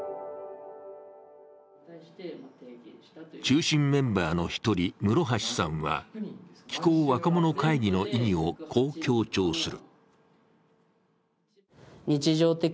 中心メンバーの１人、室橋さんは、気候若者会議の意義をこう強調する。